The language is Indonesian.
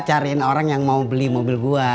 cariin orang yang mau beli mobil gue